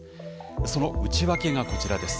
その内訳がこちらです。